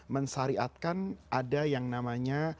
mensariatkan ada yang namanya